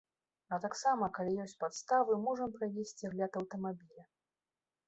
А таксама, калі ёсць падставы, можам правесці агляд аўтамабіля.